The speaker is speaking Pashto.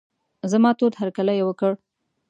زما تود هرکلی یې وکړ.